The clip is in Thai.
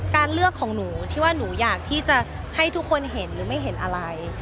การเลือกของหนูที่ว่าหนูอยากที่จะให้ทุกคนเห็นหรือไม่เห็นอะไร